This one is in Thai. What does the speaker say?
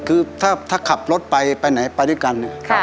คือถ้าขับรถไปไปไหนไปด้วยกัน